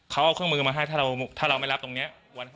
เขาเอาเครื่องมือมาให้ถ้าเราไม่รับตรงนี้